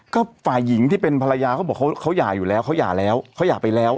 ก็ฝ่ายหญิงที่เป็นภรรยาเขาบอกเขาหย่าอยู่แล้วเขาหย่าแล้วเขาหย่าไปแล้ว